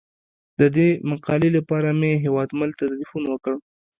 د دې مقالې لپاره مې هیوادمل ته تیلفون وکړ.